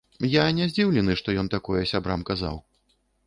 Я не здзіўлены, што ён такое сябрам казаў.